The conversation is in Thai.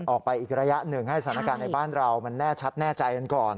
อีกระยะหนึ่งให้สถานการณ์ในบ้านเรามันแน่ชัดแน่ใจกันก่อน